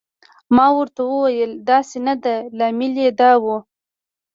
ما ورته وویل: داسې نه ده، لامل یې دا و.